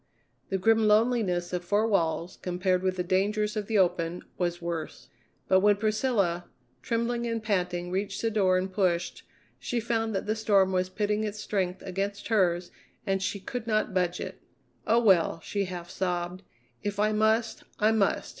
The grim loneliness of four walls, compared with the dangers of the open, was worse. But when Priscilla, trembling and panting, reached the door and pushed, she found that the storm was pitting its strength against hers and she could not budge it. "Oh, well," she half sobbed; "if I must, I must."